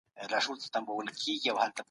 او د غم له ورځي تښتي